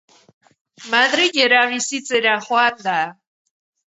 Madrilera bizitzera joan da.